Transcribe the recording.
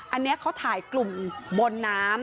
อันนี้เขาถ่ายกลุ่มบนน้ำ